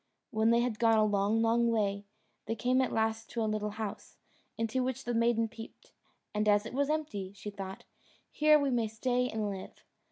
When they had gone a long, long way, they came at last to a little house, into which the maiden peeped; and as it was empty, she thought, "Here we may stay and live."